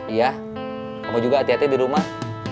iya kamu juga hati hati di rumah